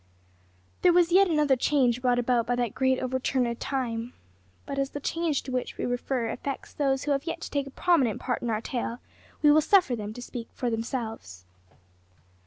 There was yet another change brought about by that great overturner Time. But as the change to which we refer affects those who have yet to take a prominent part in our tale, we will suffer them to speak for themselves.